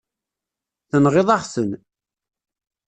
Tenɣiḍ-aɣ-ten.